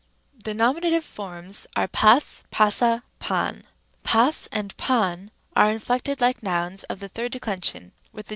Rem. The nominative forms are πᾶς, πᾶσα, πᾶν. πᾶς and πᾶν are inflected like nouns of the third declension with the G.